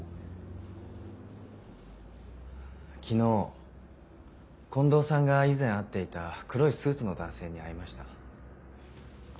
昨日近藤さんが以前会っていた黒いスーツの男性に会いました。